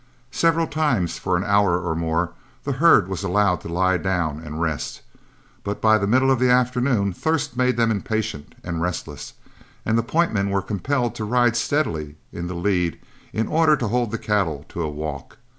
Several times for an hour or more, the herd was allowed to lie down and rest; but by the middle of the afternoon thirst made them impatient and restless, and the point men were compelled to ride steadily in the lead in order to hold the cattle to a walk.